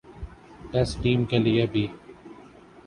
test team کے لیے بھی